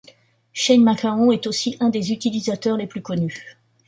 Shane McMahon est aussi un des utilisateurs les plus connus.